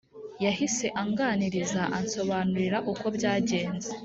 yahise anganiriza ansobanurira uko byagenze,